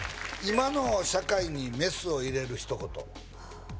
「今の社会にメスを入れる一言」